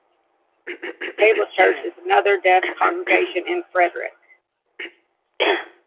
The Table Church is another deaf congregation in Frederick.